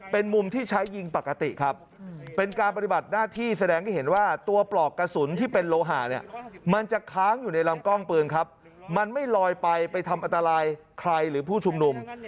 ไปทำอัตรายใครหรือผู้ชุมนุม